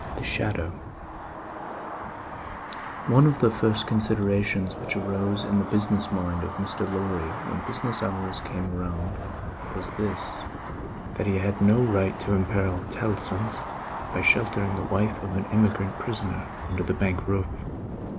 The Shadow One of the first considerations which arose in the business mind of Mr. Lorry when business hours came round, was this: that he had no right to imperil Tellson's by sheltering the wife of an emigrant prisoner under the Bank roof.